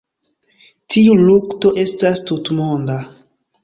Tiu lukto estas tutmonda.